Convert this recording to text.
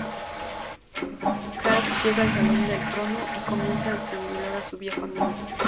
G’Kar llega al salón del trono y comienza a estrangular a su viejo amigo.